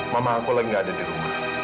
mama aku lagi gak ada di rumah